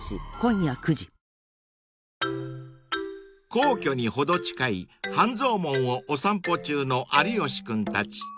［皇居に程近い半蔵門をお散歩中の有吉君たち］